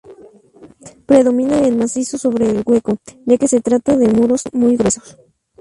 Predomina el macizo sobre el hueco, ya que se trata de muros muy gruesos.